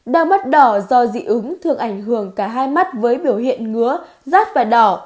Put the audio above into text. đau mắt đỏ do dị ứng thường ảnh hưởng cả hai mắt với biểu hiện ngứa rát và đỏ